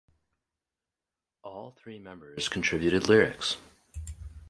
All three members contributed lyrics.